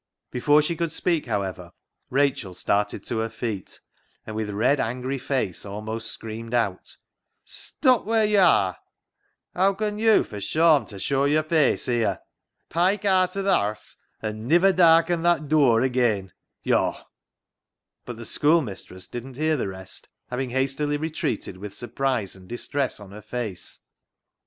Before she could speak, however, Rachel started to her feet, and with red angry face almost screamed out —" Stop wheer yo' are ! Haa con yo' for VAULTING AMBITION 267 shawm ta show yo'r face here ? Pike aat o' th' haase, an' niver darken that dur ageean ! Yo'"— But the schoolmistress didn't hear the rest, having hastily retreated with surprise and dis tress on her face.